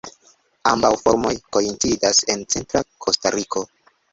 Ambaŭ formoj koincidas en centra Kostariko.